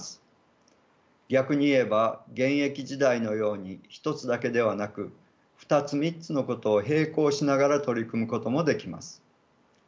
逆に言えば現役時代のように１つだけではなく２つ３つのことを並行しながら取り組むこともできます。